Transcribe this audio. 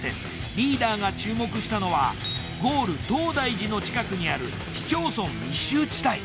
リーダーが注目したのはゴール東大寺の近くにある市町村密集地帯。